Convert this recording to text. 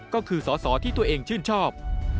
ก็คือสอสอที่ตัวเองชื่นชอบ